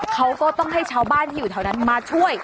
เขาก็ต้องให้ชาวบ้านที่อยู่แถวนั้นมาช่วย